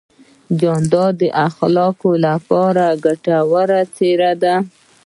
جانداد د خلکو لپاره ګټور څېرہ دی.